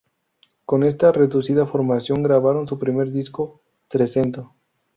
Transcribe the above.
Con esta reducida formación grabaron su primer disco, "Trecento".